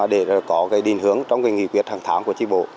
để có cái định hướng trong nghị quyết hàng tháng của tri bộ